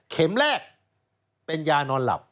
แรกเป็นยานอนหลับ